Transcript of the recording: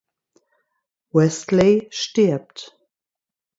Westley stirbt.